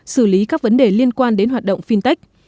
xử lý các vấn đề liên quan đến hoạt động fintech